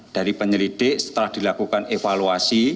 dari penyelidik setelah dilakukan evaluasi